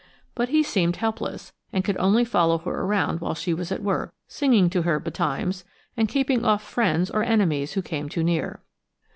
But he seemed helpless and could only follow her around when she was at work, singing to her betimes, and keeping off friends or enemies who came too near.